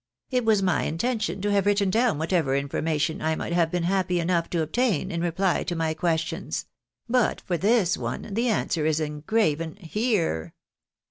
It was my intention to have written down whatever information I might have been hajjpy enough to obtain in reply to my questions — ^but for this one, the answer is engraven HERE."